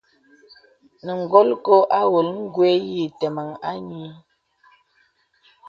Nə̀ golkō awōlə̀ gwe yǐtə̄meŋ a nyēē.